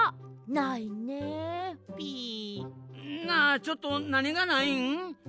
なあちょっとなにがないん？